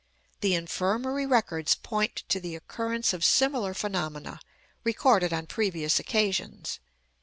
The Infirmary records point to the occurrence of similar phenomena, recorded on previous occasions.